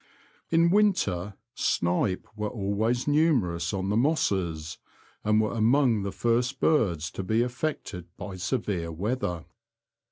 In winter, snipe were always numerous on the mosses, and were among the first birds to be affected by severe weather.